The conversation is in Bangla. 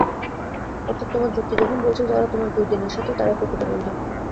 অর্থাৎ, তোমার যুক্তি যখন বলছে, যারা তোমার দুর্দিনের সাথি, তারাই প্রকৃত বন্ধু।